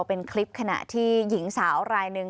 เป็นคลิปขณะที่หญิงสาวรายหนึ่ง